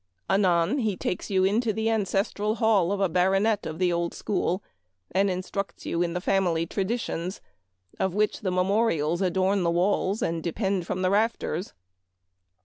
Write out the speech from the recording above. Anon, he takes you into the ances tral hall of a Baronet of the old school and instructs you in the family traditions, of which the memorials adorn the walls and de pend from the rafters.